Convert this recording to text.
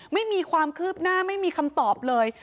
ไม่มีความคืบหน้าไม่มีคำตอบเลย